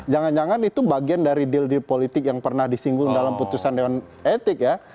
jangan jangan itu bagian dari deal deal politik yang pernah disinggung dalam putusan dewan etik ya